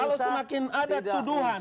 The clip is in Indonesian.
kalau semakin ada tuduhan